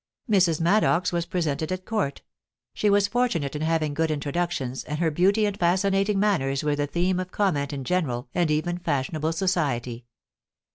Mrs. Maddox was presented at Court; she was fortunate in having good introductions, and her beauty and fascinating manners were the theme of comment in general and even fashionable society.